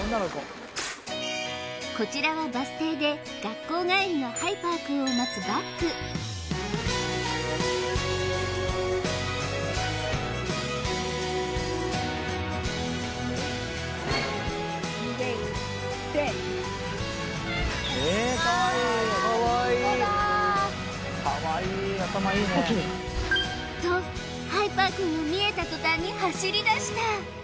こちらはバス停で学校帰りのハイパー君を待つバック・ステイ・ＯＫ！とハイパー君が見えたとたんに走りだした